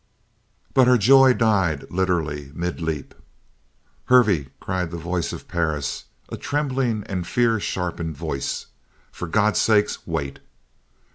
But her joy died, literally, mid leap. "Hervey," cried the voice of Perris, a trembling and fear sharpened voice, "for God's sake, wait!"